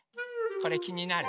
これきになる？